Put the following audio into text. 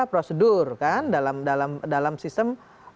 prosedur kan dalam sistem